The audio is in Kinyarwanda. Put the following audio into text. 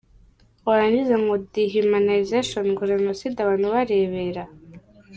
Warangiza ngo deshumanisation, ngo genocide abantu barebera!!